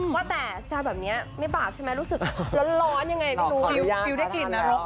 ว่าแต่ชาวแบบเนี่ยไม่บาปใช่มั้ยรู้สึกร้อนยังไงพี่ดู